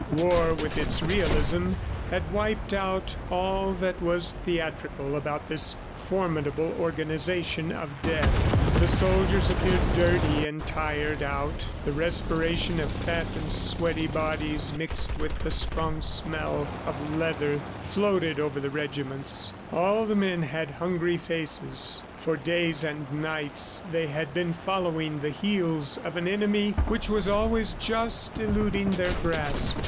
War, with its realism, had wiped out all that was theatrical about this formidable organization of death. The soldiers appeared dirty and tired, out. The respiration of fat and sweaty bodies, mixed with the strong smell of leather, floated over the regiments. All the men had hungry faces. For days and nights they had been following the heels of an enemy which was always just eluding their grasp.